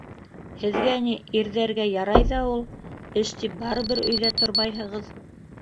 Һеҙгә ни, ирҙәргә, ярай ҙа ул. Эш тип, барыбер өйҙә тормайһығыҙ.